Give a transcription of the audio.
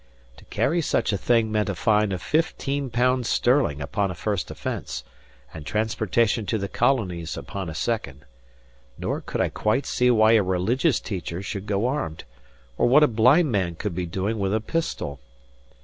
To carry such a thing meant a fine of fifteen pounds sterling upon a first offence, and transportation to the colonies upon a second. Nor could I quite see why a religious teacher should go armed, or what a blind man could be doing with a pistol.